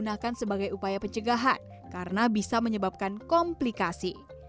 digunakan sebagai upaya pencegahan karena bisa menyebabkan komplikasi